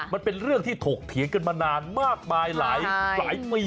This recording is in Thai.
มันเป็นเรื่องที่ถกเถียงกันมานานมากมายหลายปี